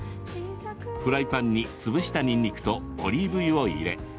フライパンに潰したにんにくとオリーブ油を入れ